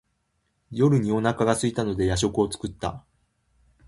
夜にお腹がすいたので夜食を作った。